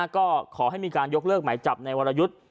ก็ขอให้มีการยกเลิกหมายจับในวรยุทธ์